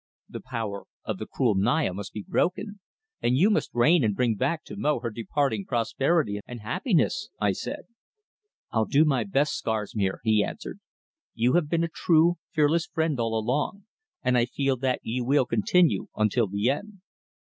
"The power of the cruel Naya must be broken, and you must reign and bring back to Mo her departing prosperity and happiness," I said. "I'll do my best, Scarsmere," he answered. "You have been a true, fearless friend all along, and I feel that you will continue until the end."